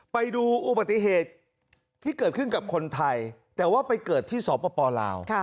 ไปดูอุบัติเหตุที่เกิดขึ้นกับคนไทยแต่ว่าไปเกิดที่สปลาว